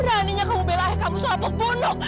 beraninya kamu belai kamu sebagai pembunuh